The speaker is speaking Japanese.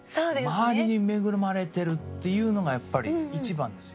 周りに恵まれてるっていうのがやっぱり一番ですよ。